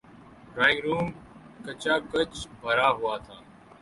Drawing room کھچا کھچ بھرا ہوا تھا۔